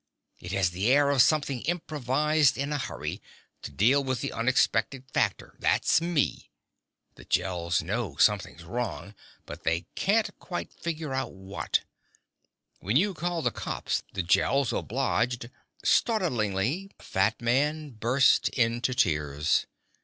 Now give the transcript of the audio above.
It has the air of something improvised in a hurry, to deal with the unexpected factor; that's me. The Gels know something's wrong, but they can't quite figure out what. When you called the cops the Gels obliged "Startlingly the fat man burst into tears.